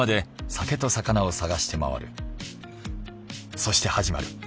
そして始まる。